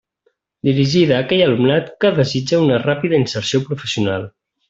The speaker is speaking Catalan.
Dirigida a aquell alumnat que desitja una ràpida inserció professional.